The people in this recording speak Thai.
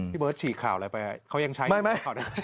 พี่เบิร์ทฉีดข่าวอะไรไปให้เขายังใช้อีกข่าวด้วย